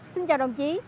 xin chào đồng chí